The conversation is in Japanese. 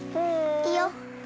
いいよ。